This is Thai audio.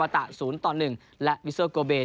๒ต่อ๐ต่อ๑และวิสเซอร์โกเบร์